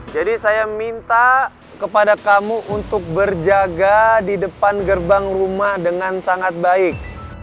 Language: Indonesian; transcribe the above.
jadi saya minta kepada kamu untuk berjaga di depan gerbang rumah dengan sangat baik